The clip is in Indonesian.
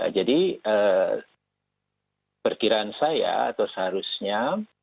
jadi perkiraan saya atau seharusnya